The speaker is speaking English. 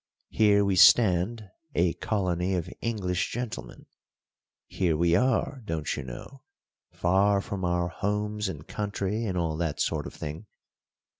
Here we stand, a colony of English gentlemen: here we are, don't you know, far from our homes and country and all that sort of thing.